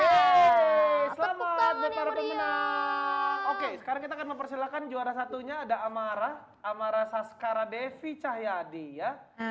yeay selamat atlet para pemenang oke sekarang kita akan mempersilahkan juara satunya ada amarah amara saskara devi cahyadi ya